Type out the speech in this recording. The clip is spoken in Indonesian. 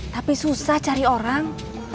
tapi susah cari orang